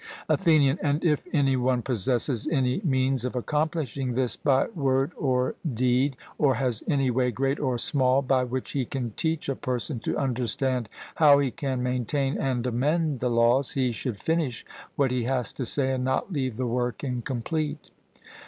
ATHENIAN: And if any one possesses any means of accomplishing this by word or deed, or has any way great or small by which he can teach a person to understand how he can maintain and amend the laws, he should finish what he has to say, and not leave the work incomplete.